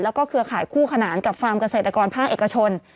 แล้วก็เครือข่ายคู่ขนานกับฟาร์มเกษตรกรภาคเอกชน